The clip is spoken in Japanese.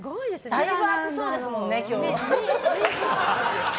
だいぶ暑そうですもんね、今日。